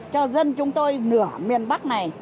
cho dân chúng tôi nửa miền bắc này